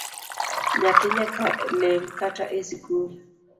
Nyathi nyaka lem kata esikul